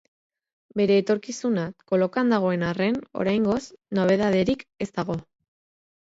Bere etorkizuna kolokan dagoen arren, oraingoz nobedaderik ez dago.